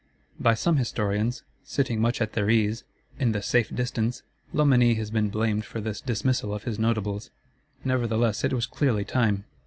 By some Historians, sitting much at their ease, in the safe distance, Loménie has been blamed for this dismissal of his Notables: nevertheless it was clearly time.